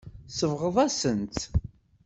Tsebɣeḍ-asen-tt.